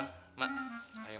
ayo mau bersih bersih dulu